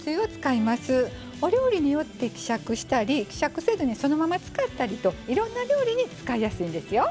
お料理によって希釈したり希釈せずにそのまま使ったりといろんな料理に使いやすいんですよ。